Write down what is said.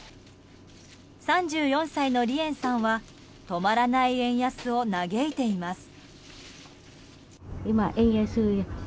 ３４歳のリエンさんは止まらない円安を嘆いています。